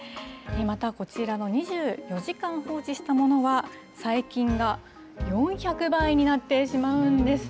またこちら、２４時間放置したものは、細菌が４００倍になってしまうんです。